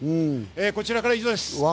こちらからは以上です。